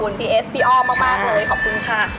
คุณพี่เอสพี่อ้อมมากเลยขอบคุณค่ะ